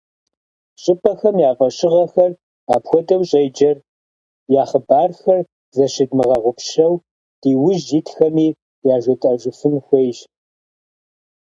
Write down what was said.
Щӏыпӏэхэм я фӏэщыгъэхэр, апхуэдэу щӏеджэр, я хъыбархэр зыщыдмыгъэгъупщэу диужь итхэми яжетӏэжыфын хуейщ.